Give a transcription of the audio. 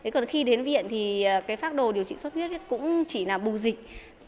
còn khi đến viện thì cái pháp đồ điều trị xuất huyết cũng chỉ là bù dịch